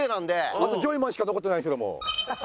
あとジョイマンしか残ってないんです。